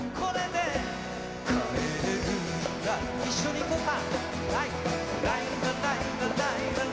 一緒にいこうか。